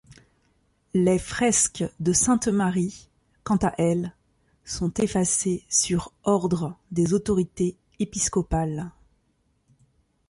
Les fresques de Sainte-Marie, quant à elles, sont effacées sur ordre des autorités épiscopales.